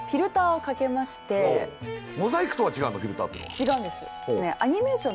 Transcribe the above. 違うんです。